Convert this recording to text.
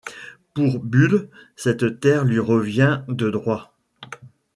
Pour Bull cette terre lui revient de droit.